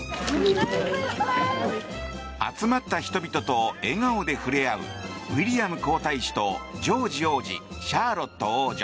集まった人々と笑顔で触れ合うウィリアム皇太子とジョージ王子シャーロット王女。